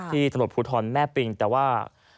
ที่สนุทภูทรแม่ปิงแต่ว่า